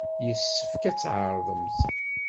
Yessefk ad tɛerḍemt.